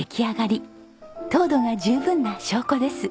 糖度が十分な証拠です。